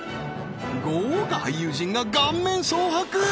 豪華俳優陣が顔面蒼白